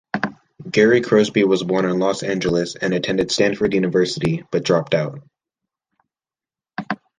Gary Crosby was born in Los Angeles and attended Stanford University but dropped out.